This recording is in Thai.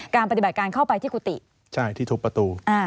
การปฏิบัติการเข้าไปที่กุฏิใช่ที่ทุบประตู